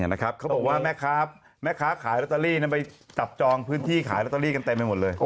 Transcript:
นะครับเขาบอกว่าแม่คร้าพรถเลเตอรี่น้ำไปจับจองพื้นที่ขายละตรีกันเต็มไปหมดเลย